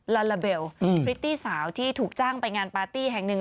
ลาลาเบลพริตตี้สาวที่ถูกจ้างไปงานปาร์ตี้แห่งหนึ่ง